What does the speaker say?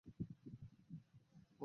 মহিলাদের পুরো প্রজন্মটাই এমনই।